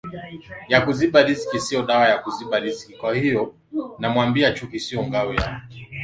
ya kuziba riziki Sio dawa ya kuziba riziki Kwahiyo namwambia chuki sio ngao ya